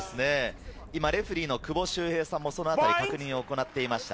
レフェリーの久保修平さんも確認を行っていました。